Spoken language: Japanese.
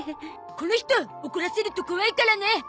この人怒らせると怖いからね。